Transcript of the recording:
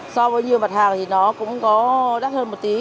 so với nhiều mặt hàng thì nó cũng có đắt hơn một tí